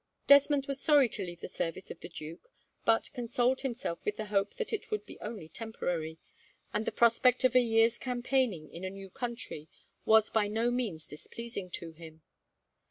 Desmond was sorry to leave the service of the duke, but consoled himself with the hope that it would be only temporary; and the prospect of a year's campaigning, in a new country, was by no means displeasing to him.